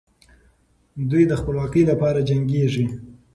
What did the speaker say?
دوی د خپلواکۍ لپاره جنګېږي.